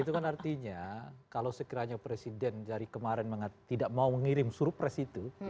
itu kan artinya kalau sekiranya presiden dari kemarin tidak mau mengirim surpres itu